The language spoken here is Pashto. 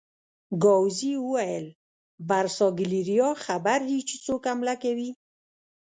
ګاووزي وویل: برساګلیریا خبر دي چې څوک حمله کوي؟